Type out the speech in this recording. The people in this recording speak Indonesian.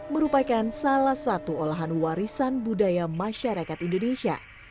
merupakan salah satu olahan warisan budaya masyarakat indonesia